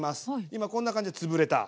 今こんな感じで潰れた。